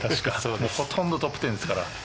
ほとんどトップ１０ですから。